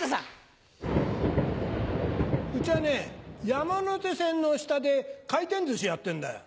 山手線の下で回転寿司やってんだよ。